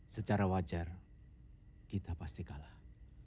secara wajar kita pasti kalah